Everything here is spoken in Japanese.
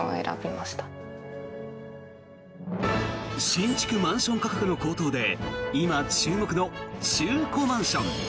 新築マンション価格の高騰で今、注目の中古マンション。